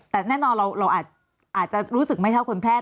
แต่แน่นอนเราอาจจะรู้สึกไม่เท่าคนแพทย